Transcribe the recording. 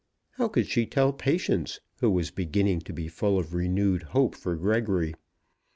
How could she tell Patience, who was beginning to be full of renewed hope for Gregory?